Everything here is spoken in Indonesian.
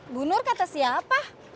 bu nur kata siapa